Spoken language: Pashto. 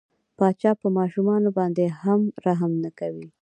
پاچا په ماشومان باندې هم رحم نه کوي.